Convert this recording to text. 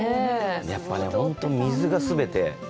やっぱり本当に水が全て。